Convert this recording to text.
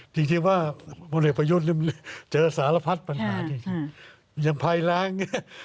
จริงว่าบนเหตุประยุทธ์มันเจอสารพัฒน์ปัญหาที่ยังพายล้าง